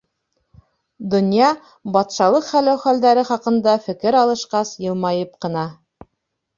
Донъя, батшалыҡ хәл-әхүәлдәре хаҡында фекер алышҡас, йылмайып ҡына: